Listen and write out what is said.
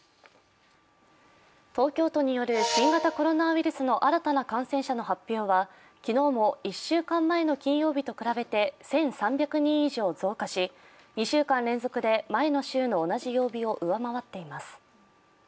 東京都による新型コロナウイルスの新たな感染者の発表は昨日も１週間前の金曜日と比べて１３００人以上増加し、２週間連続で前の週の同じ曜日を上回っています。